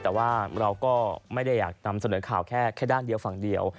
แต่ว่าเราก็ไม่ได้อยากนำเสนอข่าวแค่ด้านเดียวฝั่งเดียว